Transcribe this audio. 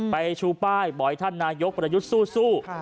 ชูป้ายบอกให้ท่านนายกประยุทธ์สู้